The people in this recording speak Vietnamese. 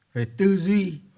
về tư duy